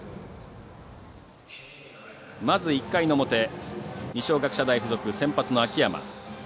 まず、１回の表二松学舎大付属、先発の秋山。